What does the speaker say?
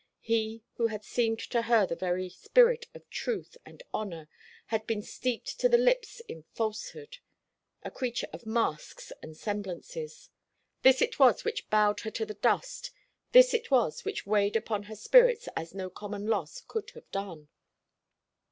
He, who had seemed to her the very spirit of truth and honour, had been steeped to the lips in falsehood a creature of masks and semblances. This it was which bowed her to the dust; this it was which weighed upon her spirits as no common loss could have done.